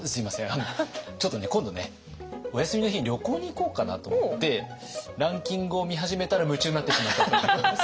あのちょっとね今度ねお休みの日に旅行に行こうかなと思ってランキングを見始めたら夢中になってしまったんです。